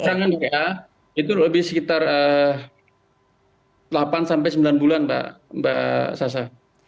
keterangan dari e itu lebih sekitar delapan sampai sembilan bulan mbak sasa